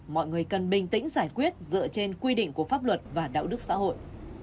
mọi người cần bình tĩnh giải quyết dựa trên quy định của pháp luật và đạo đức xã hội